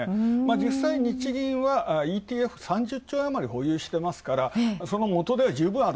実際、日銀はＥＴＦ３０兆円あまりを保有していますからその元手は十分にある。